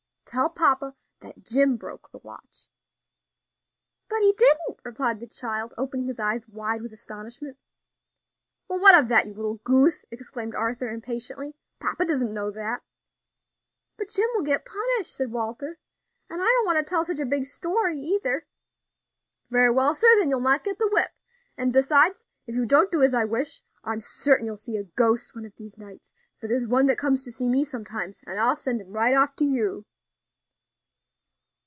"Tell papa that Jim broke the watch." "But he didn't" replied the child, opening his eyes wide with astonishment. "Well, what of that, you little goose?" exclaimed Arthur impatiently; "papa doesn't know that." "But Jim will get punished," said Walter, "and I don't want to tell such a big story either." "Very well, sir, then you'll not get the whip; and, besides, if you don't do as I wish, I'm certain you'll see a ghost one of these nights; for there's one comes to see me sometimes, and I'll send him right off to you."